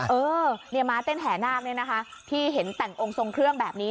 เออเนี่ยม้าเต้นแห่นาคเนี่ยนะคะที่เห็นแต่งองค์ทรงเครื่องแบบนี้